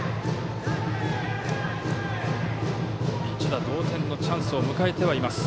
１打同点のチャンスを迎えてはいます。